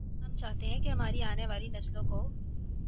ہم چاہتے ہیں کہ ہماری آنے والی نسلوں کو